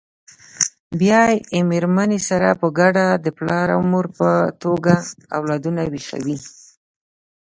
بیا له مېرمنې سره په ګډه د پلار او مور په توګه اولادونه ویښوي.